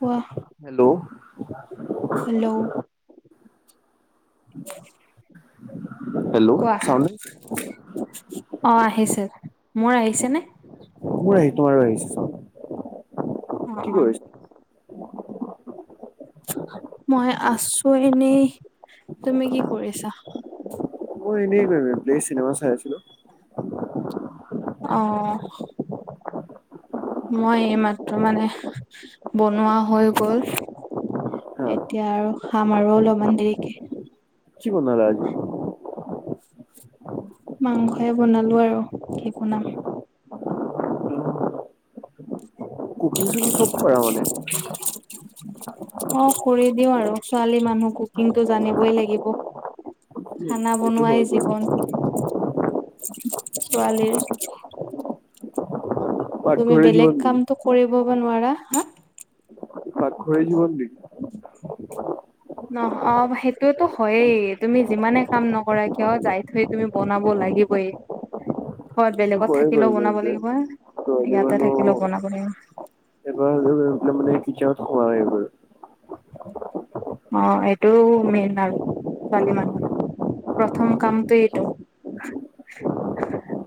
কোৱা। Hello hello hello চ অহ, আহিছে। মোৰ আহিছেনে? মোৰ আহি, তোমাৰো আহিছে চব। অহ', অহ'। মই আছোঁ এনেই। তুমি কি কৰিছা? মই এনেই বে-বে-বে চিনেমা চাই আছিলোঁ। অহ। মই এইমাত্ৰ মানে বনোৱা হৈ গ'ল। হা এতিয়া আৰু খাম আৰু অলপমান দেৰিকে। কি বনালা আজি? মাংসয়ে বনালো আৰু কি বনাম। তুমি চ-চব পাৰা মানে? [unintelligible] অহ, কৰি দিওঁ আৰু। ছোৱালী মানুহ কুকিংটো জানিবই লাগিব। উম খানা এইটো বনোৱাই হয় বাৰু। জীৱন ছোৱালীৰ। তুমি পাকঘৰে বেলেগ জীৱন নেকি? কামতটো কৰিব নোৱাৰা। হা! পাঘৰেই জীবন নেকি? নহ অহ, সেইটোয়তো হয়েই, তুমি যিমানে কাম নকৰা কিয় যায় থৈ তুমি বনাব লাগিবয়েই। ক'ৰবাত এইটো বেলেগত হয়ে বাৰু থাকিলেও বনাব তেন্তে। লাগিব, ইয়াতে থাকিলেও বনাব লাগিব। এইবাৰ হ'লেও এবাৰ মানে কিতচেনত সোমাবাই এবাৰ। অহ, এইটো মেইন আৰু ছোৱালী মানুহৰ। প্ৰথম কামটো এইটো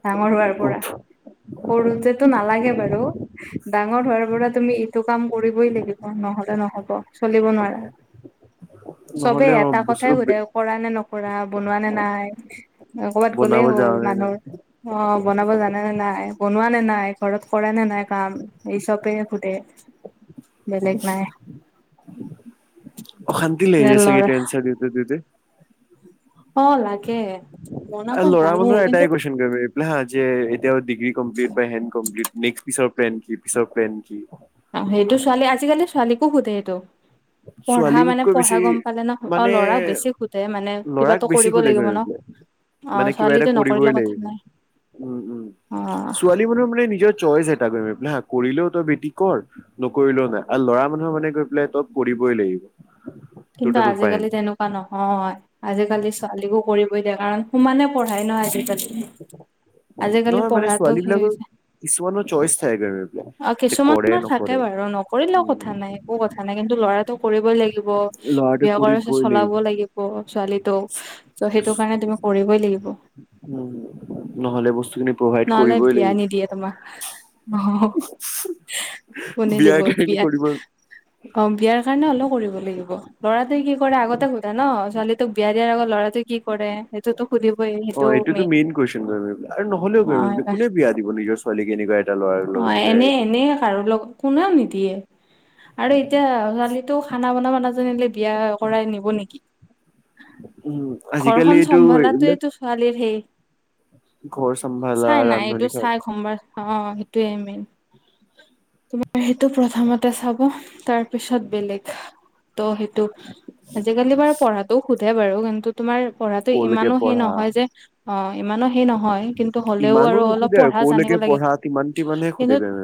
ডাঙৰ হোৱাৰ পৰা। সৰুতেটো নালাগে বাৰু। ডাঙৰ হোৱাৰ পৰা তুমি এইটো কাম কৰিবই লাগিব নহ'লে নহব, চলিব নোৱাৰা। চবে নহ'লে অ এটা কথাই বস্তুটো সোধে কৰানে নকৰা, বনোৱানে নাই। কৰ'বাত গ'লেই বনাব হ'ল যাওঁতে মানুহৰ অহ, বনাব জানেনে নাই। বনোৱানে নাই, ঘৰত কৰানে নাই কাম, এই চবে সুধে। বেলেগ নাই। অশান্তি লাগে চাগে ল'ৰা এনছাৰ দিওঁতে দিওঁতে। অহ, লাগে। বনাব আৰু ল'ৰা জানো মানুহৰ কিন্তু এটাই কুইশ্বন কৰিব দে হা! যে এতিয়াও ডিগ্ৰী কমপ্লিট বা হেনট কমপ্লিট নেস্ক পিছত প্লেন‌ কি, পিছত প্লেন‌ কি? সেইটো ছোৱালী, আজিকালিৰ ছোৱালীকো সোধে সেইটো। পঢ়া মানে, ছোৱালীবোৰতকৈ পঢ়া বেছি গম পালে ন'। অহ, মানে ল'ৰাক বেছি সোধে মানে ল'ৰাক কিবাতো বেছি কৰিব সোধে গৈ লাগিব ন'। পেলাই অহ, মানে কিবা এটা ছোৱালীতো কৰিবই নকৰিলেও কথা লাগিব নাই। উম', উম'। অ ছোৱালী মানহ মানে নিজৰ চইচ এই কৰিলেও তই বেটি কৰ, নকৰিলেও নাই আৰু ল'ৰা মানুহৰ মানে গৈ পেলাই তই কৰিবই [unintelligible] কিন্তু উপায় আজিকালি নাই তেনেকুৱা নহয়। আজিকালি ছোৱালীকো কৰিবই দিয়ে কাৰণ সোমানে পঢ়াই ন' আজিকালি। আজিকালি নহয় মানে পঢ়াতটো ছোৱালী সেই বিলাকৰ হৈছে। কিছুমানৰ চইচ থাকে গৈ পেলাই অহ, যে কৰে কিছুমানৰ থাকে নকৰে বাৰু নকৰিলেও উম কথা নাই, একো কথা নাই, কিন্তু ল'ৰা ল'ৰাটো কৰিবই লাগিব। ল'ৰাটোৱে বিয়া কৰাৰ পিছত কৰিবই চলাব লাগিব ছোৱালীটোক ত' সেইটো কাৰণে তুমি কৰিবই লাগিব। উম, নহ'লে বস্তুখিনি প্ৰভাইড কৰিবই লাগিব। অহ, কোনে দিব বিয়াৰ কাৰণে বিয়াত কৰিব অহ, বিয়াৰ কাৰণে হ'লেও কৰিব লাগিব। ল'ৰাটোৱে কি কৰে আগতে সোধা ন'। ছোৱালী তোক বিয়া দিয়াৰ আগত ল'ৰাটোৱে কি কৰে। সেইটোতো সুধিবই অহ, সেইটো এইটোতো মেইন কুৱেশচন, [unintelligible] আৰু নহ'লেও [unintelligible] কোনে বিয়া দিব নিজৰ ছো অহ, এনে-এনেই কাৰো লগত কোনেও নিদিয়ে আৰু এতিয়া ছোৱালীটো খানা বনাব নাজা [unintelligible] বিয়া কৰাই নিব নেকি? উম, আজিকালি ঘৰখন এইটো এইবিলাক চম্ভালাতোয়টো ছোৱালীৰ সেই ঘৰ চম্ভালা, চাই নাই এইটো ৰান্ধনী কাম চাই সোমবাৰ। অ' সেইটোয়ে মেইন। তোমাৰ সেইটো প্ৰথমতে চাব তাৰ পিছত বেলেগ। তো সেইটো আজিকালি বাৰু পঢ়াতটোও সোধে বাৰু। কিন্তু, তোমাৰ পঢ়াতটো ক'লৈকে ইমানো সেই পঢ়া নহয় যে অ' ইমানো সেই নহয়, কিন্তু হ'লেও আৰু অলপ পঢ়া জানিব লাগে পঢ়াত ইমান টি মানে সুধে কিন্তু যেনে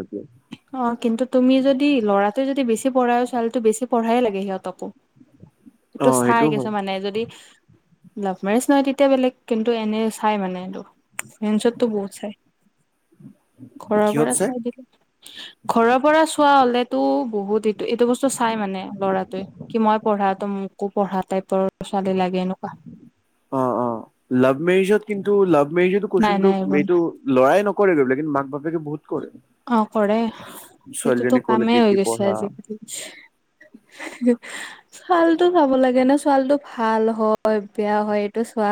অ' কিন্তু তুমি যদি ল'ৰাটোৱে যদি বেছি পঢ়াইও ছোৱালীতটো বেছি পঢ়ায়েই লাগে সিহঁতকো। সেইটো অ', ছাই হয়, কিছুমান মানে যদি। লাভ মেৰেজ নহয়, তেতিয়া বেলেগ কিন্তু, এনে চাই মানে এইটো। জেনতচ টো বহুত ছাই ঘৰৰ কিহত পৰা চাই ছাই দিয়ে। ঘৰৰ পৰা চোৱা হ'লেটো বহুত এইটো এইটো বস্তু চাই মানে ল'ৰাটোৱে। কি মই পঢ়া তো মোকো পঢ়া টাইপৰ ছোৱালী লাগে এনেকুৱা। অ' অ' লাভ মেৰিজত কিন্তু লাভ মেৰিজো নাই নাই কোৱেশ্যনটো এইবোৰ এইটো। ল'ৰাই নকৰে গৈ। কিন্ত, মাক বাপেকে বহুত কৰে। অ' কৰে ছোৱালীজনী সেইটোতো ক'লৈকে কামেই হৈ কি গৈছে পঢ়া আজিকালি। হে ছালতটো চাব লাগে নে ছালটো ভাল হয়, বেয়া হয়, এইটো চোৱা।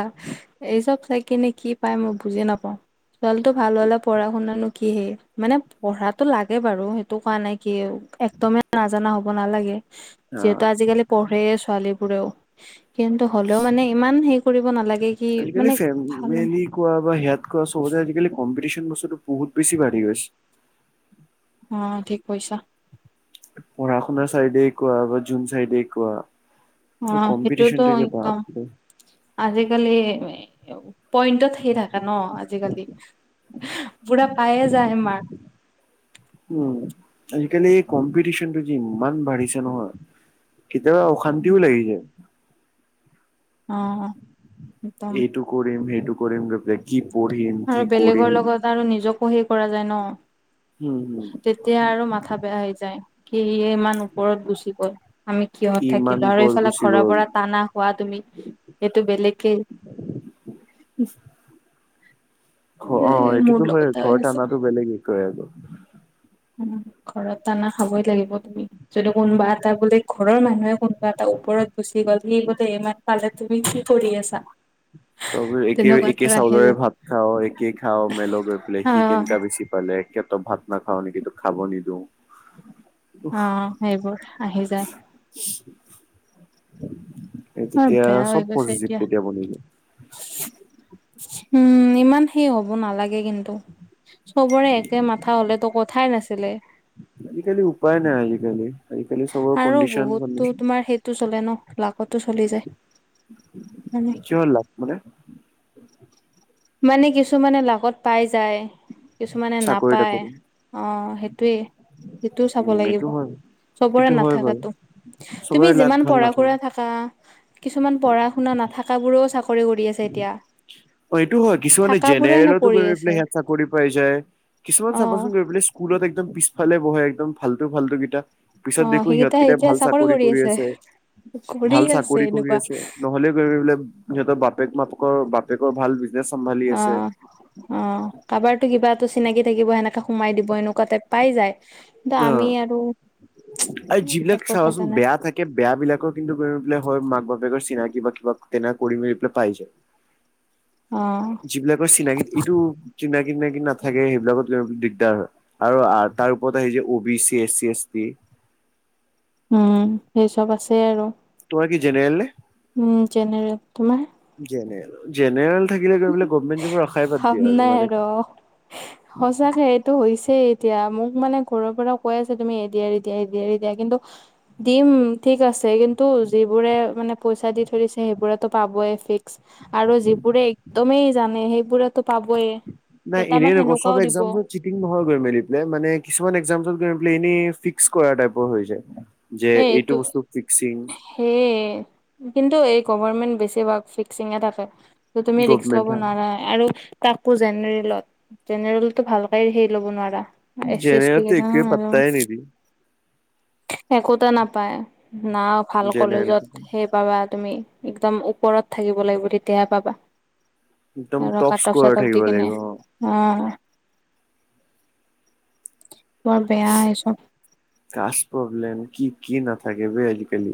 এই চ'ব চাই কিনে কি পাই মই বুজি নাপাওঁ। ছোৱালীটো ভাল হ'লে পঢ়া শুনানো কি সেই। মানে পঢ়াতো লাগে বাৰু, সেইটো কোৱা নাই কি একদমেই নাজানা হ'ব নালাগে। আ যিহেতু আজিকালি পঢ়ে ছোৱালীবোৰেও। কিন্তু, হ'লেও মানে ইমান হেৰি কৰিব নালাগে কি আজিকালি মানে ভাল। ফেমিলি কোৱা বা সেয়াত কোৱা চবতে আজিকালি কম্পিটিছন বস্তুটো বহুত বেছি বাঢ়ি গৈছে। অ' ঠিক কৈইছা। পঢ়া শুনা চাইডে কোৱা বা যোন চাইডে কোৱা। অ এই কম্পিটিচন সেইটোতো টো একদম বাপৰে। আজিকালি, পইন্টত সেই থাকে ন আজিকালি। [unintelligible] পায়ে যায় মাক। উম, আজিকালি এই কম্পিটিচন টো যে ইমান বাঢ়িছে নহয়, কেতিয়াবা অ' অশান্তিও লাগি যায়। অ'কোৱা। এইটো কৰিম সেইটো কৰিম [unintelligible] কি পৰী আৰু বেলেগৰ লগত আৰু নিজকো হেই কৰা যায় ন। উম। তেতিয়া আৰু মাথা বেয়া হৈ যায় কি ইমান। ওপৰত গুচি গ'ল, আমি কি কিহত ইমান থাকিলোঁ আৰু ওপৰত এইফালে গুচি ঘৰ গ'ল। পৰা টানা। কোৱা তুমি এইটো বেলেকে। ঘ- অ নাই মোৰ এইটোতো হয় লগতে ঘৰত আছে, আনাটো বেলেগ বিষয় আকৌ। উম। ঘৰত টানা খাবই লাগিব তুমি, যদি কোনোবা এটা বোলে ঘৰৰ মানুহে কোনোবা। তাৰ ওপৰত গুচি গ'ল সি বোলে এইমান পালে তুমি কি কৰি আছা। তয়ো একে তেনেকুৱাতো একে আহি চাউলেৰে যায় ভাত খাওঁ, একে খাওঁ মেল গৈ পেলাই অ সি কেনেকা বেছি পালে একে ত ভাত নাখাওঁ নেকি? খাব নিদিওঁ? অ' সেইবোৰ আহি যায়। [unintelligible] এই উম, তেতিয়া বেয়া হৈ চব গৈছে পজিটিভ এতিয়া। তেতিয়া বনি যায় উম, ইমান সেই হ'ব নালাগে। কিন্তু, চবৰে একে মাথা হলেতো কথাই নাছিলে। আজিকালি উপায় নাই আজিকালি আজিকালি চবৰে কণ্ডিচন কণ্ডিছন টো চলে ন, লাকতো চলি যায়, মানে কিমান লাখ মানে? মানে কিছুমানে লাগত পাই যায় কিছুমানে চাকৰি নাপায় তাকৰি অ', সেইটোয়ে সেইটো চাব উম লাগিব, এইটো হয় চবৰে এইটো হয় বাৰু নাথাকেতো তুমি চবৰে লাক যিমান ভাল পঢ়া নাথাকে শুৰা থাক থকা কিছুমান পঢ়া শুনা নাথাকা বোৰেও চাকৰি কৰি আছে এতিয়া অ', এইটো হয় কিছুমানে থাকা বোৰে জেনেৰেলতো নপঢ়ি গৈ আছে। পেলাই সিহঁত চাকৰি পাই যায়, কিছুমান অ', চাবাচোন গৈ পেলাই কুলত একদম পিছফালে বহে একদম ফাল্টু ফাল্টু গিটা পিছত দেখো সিহঁত কেতিয়া ভাল চাকৰি কৰি আছে, কৰি ভাল আছে চাকৰি কৰি এনেকুৱা আছে নহলে [unintelligible] সিহঁতৰ বাপেক মাপেকৰ বাপেকৰ ভাল বিজনে চম্ভালি আছে অ'। অ', কাৰোবাৰটো কিবাটো থাকিব সেনেকে সোমাই দিব এনেকুৱাতে পাই যায়। অ আমি আৰু একো কথা নাই কে বেয়া বিলাকৰ কিন্তু কৰি পেলাই হয় মাক বাপেকৰ চিনাকি বা কিবা তেনেকা কৰি মেলি পেলাই পাই যায়। অ যিবিলাকৰ চিনাকি এইটো চিনাকি তিনাকি নাথাকে সেইবিলাকত দিগদাৰ হয়। আৰু তাৰ ওপৰত আহিছে অ বি চি, এ চি এছটি। উম, সেই চব আছে আৰু। তোমাৰ কি জেনেৰেল নে? উম, যেনেৰেল তোমাৰ? জেনেৰেল - জেনেৰেল থাকিলে [unintelligible] গভৰ্ণমেণ্ট জবৰ আশা খাম নাই আৰু সচাকে টো হৈছেই এতিয়া মোক মানে ঘৰৰ পৰা কৈ আছে তুমি এ দি আৰি দিয়া, এদি আৰি দিয়া কিন্তু দিম ঠিক আছে কিন্তু যিবোৰে মানে পইচা দি থৰিছে সেইবোৰেতো পাবই ফিক্স। আৰু যিবোৰে একদমেই জানে সেইবোৰেতো পাবই। নাই এনেই নকই চব এক্সাম চিটিং নহয় গৈ মেলি পেলাই মানে কিছুমান এক্সামছত [unintelligible] এনেই ফিক্স কৰা টাইপৰ হৈ যায়। যে এইটো বস্তু ফিক্সিং সেই কিন্তু এই গভাৰমেণ্ট বেছিভাগ ফিক্সিঙে থাকে ত' তুমি ৰিক্সক গভমেন্ট লব হা নোৱাৰা আৰু তাকো জেনেৰেলত জেনেৰেলতটো ভালকে সেই ল'ব নোৱাৰা। এছ চি, এছ টি জেনেৰেলটো কেইটা একোৱে আৰু পাত্তাই নিদিয়ে একোতে নাপায় না ভাল জেনেৰেল কলেজত একদম সেই পাবা তুমি একদম ওপৰত থাকিব লাগিব তেতিয়াহে পাবা। আৰু টপ কাটপ স্ক'ৰাৰ চাটপ থাকিব দি কিনে লাগিব অ', বৰ বেয়া এইছব। কাচ প্ৰব্লেম কি কি নাথাকে বে আজিকালি।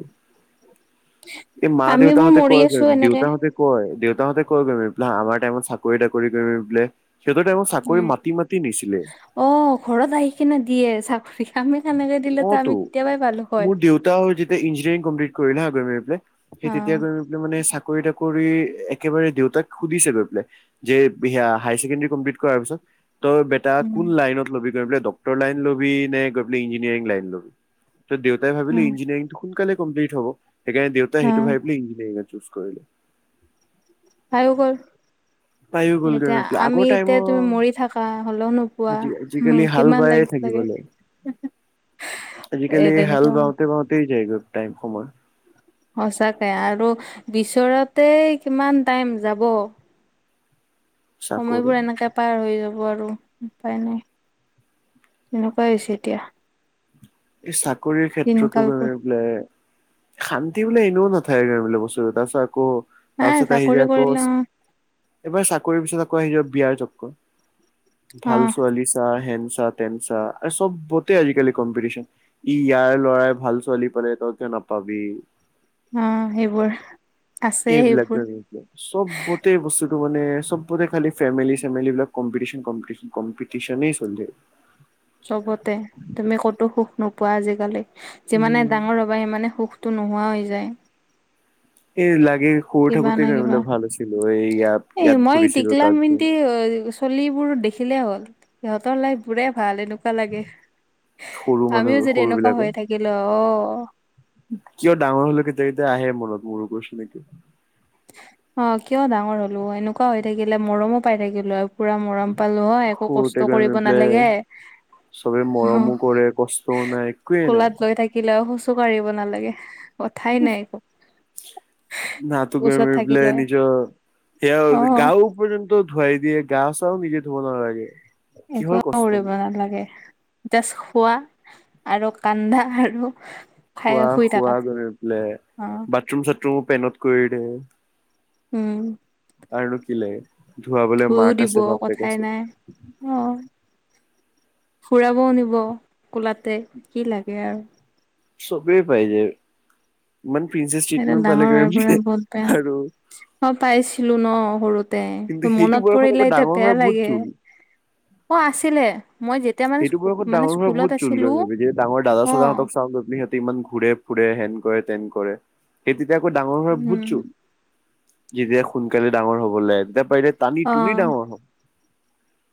এই মা দেউতা আমিবোৰ হঁতে মৰি কৰক আছো আৰু এনেকে দেউতা হঁতে কয় দেউতাহঁতে কৈ কৰিমি পোলে আমাৰ টাইমত চাকৰি তাকৰি কৰি মেলি পেলাই হেঁতৰ টাইমত চাকৰি উম। মাটি মাটি নিছিলে অ', ঘৰত আহি কিনে দিয়ে চাকৰি আমি সেনেকে দিলেতো আমি অ'টো কেতিয়াবাই পালো হয়। মোৰ দেউতাউ যেতিয়া ইঞ্জিনিয়াৰিং কমপ্লিট কৰিল হাঁ [unintelligible] পেলাই সেই তেতিয়া অ' গৈ পেলাই মানে চাকৰি তাকৰি একেবাৰে দেউতাক সুধিছে গৈ পেলাই যে হেয়া হাই ছেকেণ্ডাৰী কমপ্লিট কৰাৰ পিছত তই এটা উম, কোন লাইনত ল'বি গৈ পেলাই ডক্তৰ লাইন ল'বি নে গৈ পেলাই ইঞ্জিনিয়াৰিং লাইন ল'বি? তে দেউতাই ভাবিলে উম। ইঞ্জিনিয়িংটো শোনকালে কমপ্লিট হব, সেইকাৰণ দেউতাই হা সেইটো ভাবিলে ইঞ্জিনাৰিং এ চুজ কৰিলে। পাইউ গ'ল। পায়ো গ'লগৈ এতিয়া গৈ পেলাই। আগৰ আমি, এতিয়া টাইমৰ তুমি মৰি থাকা হলেও নোপোৱা আজি আজিকালি হাল কিমান বায়ে লাগিব থাকিব লাগে [inaudible] এ আজিকালি হাল তেনেকুৱা বাওঁতে বাওঁতেই যায়গৈ টাইম সময়। সচাকে আৰু বিচৰাতে কিমান টাইম যাব চাকৰি সময়বোৰ এনেকে পাৰ হৈ যাব আৰু উপায় নাই তেনেকুৱাই হৈছে এতিয়া এই চাকৰিৰ ক্ষেত্ৰতো গৈ দিনকালবোৰ পেলাই শান্তি বোলে এনেও নাথাকে গৈ বুলো বস্তু, তাৰপিছত আকৌ নাই তাৰপিছত আহি চাকৰি যায় আকৌ কৰিলে অ এইবাৰ চাকৰিৰ পিছত আকৌ আহি বিয়াৰ চক্ক, অ ভাল ছোৱালী চা, হেন চা টেন চা, চববতে আজিকালি কম্পিটিশন। ই ইয়াৰ ল'ৰাই ভাল ছোৱালী পাল তই কিয় নাপাবি। অ' হেইবোৰ। এইবিলাক, চবতে বস্তু মানে চবতে খালি ফেমিলী চেমিলীবিলাক কম্পিটিচন, কম্পিটিচন, কম্পিটিচনেই চলি থাকে। চবতে, তুমি ক'তো সুখ নোপোৱা আজিকালি, যিমানে উম ডাঙৰ হ'বা ইমানে সুখটো নোহোৱা হৈ যায়। এই লাগে সৰু কিবা থাকোঁতে নহয় গৈ কিবা বুলে ভাল আছিলোঁ, এই ইয়াত ইয়াত ঘূৰিছিলো, তাত ঘ [unintelligible] ছোৱালীবোৰ দেখিলে হ'ল, সিহঁতৰ লাইফবোৰে ভাল, এনে লাগে, সৰু মানুহ আমিও যদি সৰু এনেকুৱা বিলাকৰ হৈ থাকিলোঁ অ' কিয় ডাঙৰ হ'লেও কেতিয়া কেতিয়া আহে মূৰত মোৰো কৈছো নেকি। অ' কিয় ডাঙৰ হ'লো, এনেকুৱা হৈ থাকিলে মৰমো পাই থাকিলোঁ আ পুৰা মৰম পালোঁ হয়, একো কষ্ট কৰিব নালাগে চবেই অ মৰমো কৰে, কষ্টও নাই, একোৱেই নাই। এখিলাও খোজোঁ কাঢ়িব নালাগে, কথাই নাই একো। নাতো ওচৰত গৈতো থাকিলে পেলাই নিজৰ সেয়াও অ' গাঁও পৰ্যন্ত ধুৱাই দিয়ে, গা চাও নিজে ধুব নালাগে। কিহৰ একো কৰিব কষ্টনো নালাগে, জাষ্ট খোৱা আৰু কান্দা আৰু খাই খোৱা শুই থাকা খোৱা গৈ পেলে, অ' বাথৰুম চাথৰুমো পেনত কৰি দে। উম। আৰুনো কি লাগে, ধুৱাবলে ধুইও মাক দিব আছে, বাপেক কথাই আছে। নাই অ' ফুৰাবও নিব কোলাতে কি লাগে আৰু। চবেই পাই যায়, ইমান প্ৰিন্সেছ সেইটো ট্ৰিটমেণ্ট ডাঙৰ হোৱাৰ পৰা পালে বহুত বেয়া আৰু অ' পাইছিলোঁ ন' সৰুতে, কিন্তু সেইটো মনত বয়সত আকৌ পৰিলে এতিয়া ডাঙৰ বেয়া হয় বহুত লাগে। জোল অ' আছিলে। মই যেতিয়া মানে এইটো বয়সত মানে ডাঙৰ হোৱা স্কুলত বহুত জল্দি আছিলো হয়, ডাঙৰ দাদ অ চাদাহতক চাওঁক গৈ পেলাই সিহঁত ইমান ঘুৰে ফুৰে, হেন কৰে তেন কৰে, সেই তেতিয়া আকৌ ডাঙৰ হৈ উম বুজছোঁ যেতিয়া সোনকালে ডাঙৰ হ'বলে, তেতিয়া পাৰিলে টানি টোনি অ ডাঙৰ হ'ব।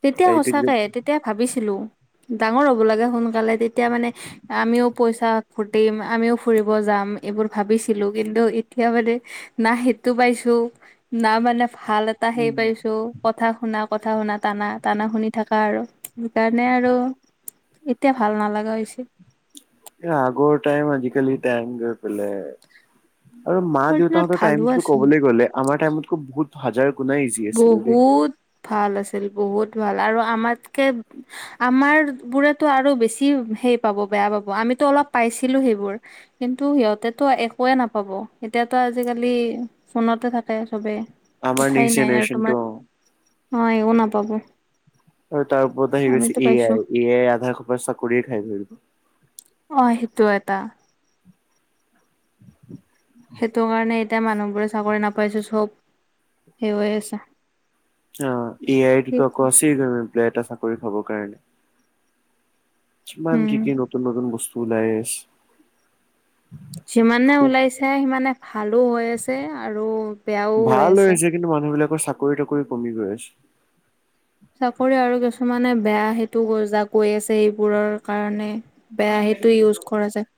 তেতিয়া সঁচাকে, তেতিয়া ভাবিছিলোঁ। ডাঙৰ হ'ব লাগে সোনকালে তেতিয়া মানে আমিও পইচা ফুটিম, আমিও ফুৰিব যাম এইবোৰ ভাবিছিলোঁ কিন্তু এতিয়া মানে না সেইটো পাইছোঁ না মানে ভাল তা সেই পাইছোঁ কথা শুনা, কথা শুনা টানা, টানা শুনি থাকা আৰু। সেইকাৰণে আৰু এতিয়া ভাল নালাগা হৈছে। আগৰ টাইম, আজিকালি টাইম গৈ পেলাই আৰু মা আগৰ দিনত দেউতাহঁতৰ ভালো টাইমতো আছিল ক'বলৈ গ'লে আমাৰ টাইমতকৈ বহুত হাজাৰ গুণা ইজি আছিলে দেই বহুত ভাল, আছিল বহুত ভাল আৰু আমাতকে আমাৰবোৰেতো আৰু বেছি হেই পাব বেয়া পাব, আমিতো অলপ পাইছিলোঁ সেইবোৰ। কিন্তু সিহঁতেতো একোৱে নাপাব, এতিয়াতো আজিকালি ফোনতে থাকে চবেই। আমাৰ নিচ নাই আৰু তোমাৰ অ' একো নাপাব। আৰু তাৰ ওপৰত আহি গৈছে আমিতো এ পাইছো আই, এ আই আধা সোপা চাকৰিয়ে খাই ধৰিব। অ' সেইটো এটা। সেইটো কাৰণে এতিয়া মানুহবোৰে চাকৰি নাপাইছে, চব সেই হৈ আছে। অ এ আই ভিতৰ [inaudible] এটা চাকৰি পাব কাৰণে। কিমান উম কি কি নতুন নতুন বস্তু ওলাই। যিমানে ওলাইছে সিমানে ভালো হৈ আছে আৰু বেয়াও হৈ আছে। কিন্তু মানুহ বিলাকৰ চাকৰি তাকৰি কমি গৈ আছে। চাকৰি আৰু কিছুমানে বেয়া সেইটো যা গৈ আছে এইবোৰৰ কাৰণে। বেয়া সেইটো ইউজ কৰা জাই।